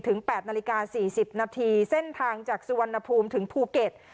๘นาฬิกา๔๐นาทีเส้นทางจากสุวรรณภูมิถึงภูเก็ต